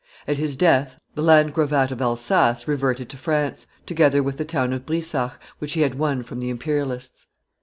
At his death the landgravate of Elsass reverted to France, together with the town of Brisach, which he had won from the Imperialists.